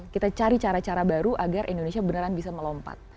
kita cari cara cara baru agar indonesia beneran bisa melompat